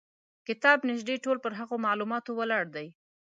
کتاب نیژدې ټول پر هغو معلوماتو ولاړ دی.